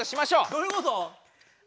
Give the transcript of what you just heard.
どういうこと？